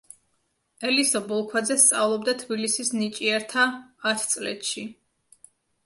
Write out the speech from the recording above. ელისო ბოლქვაძე სწავლობდა თბილისის ნიჭიერთა ათწლედში.